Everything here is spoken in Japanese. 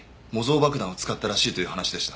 爆弾を使ったらしいという話でした。